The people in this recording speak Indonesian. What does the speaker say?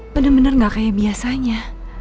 bener bener gak kayak biasanya